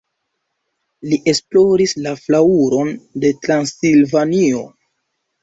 Li esploris la flaŭron de Transilvanio.